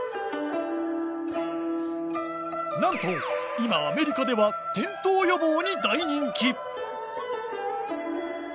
なんと今アメリカでは転倒予防に大人気！